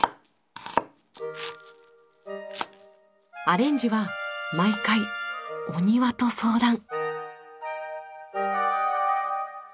アレンジは毎回お庭と相談。